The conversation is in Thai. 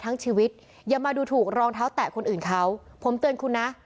ชีวิตอย่ามาดูถูกรองเท้าแตะคนอื่นเขาผมเตือนคุณนะ